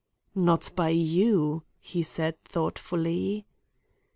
"Not by you," he said thoughtfully.